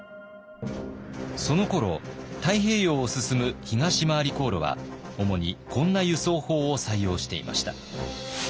そのころ太平洋を進む東廻り航路は主にこんな輸送法を採用していました。